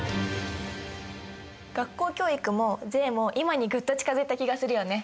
学校教育も税も今にぐっと近づいた気がするよね。